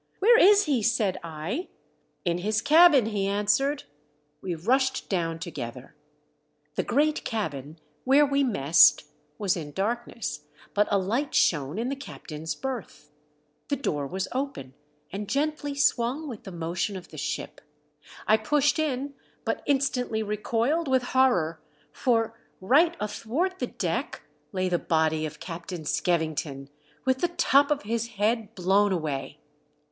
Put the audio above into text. "Where is he?" said I. " In his cabin," he answered. We rushed down together. The great cabin, where we messed, was in darkness, but a light shone in the captain's berth. The door was open, and gently swung with the motion of the ship. I pushed in, but instantly recoiled with horror, for, right athwart the deck lay the body of Captain Skevington, with the top of his head blown away.